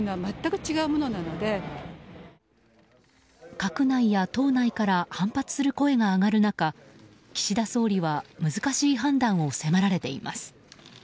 閣内や党内から反発する声が上がる中岸田総理は難しい判断を迫られています。